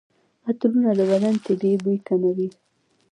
عطرونه د بدن طبیعي بوی کموي.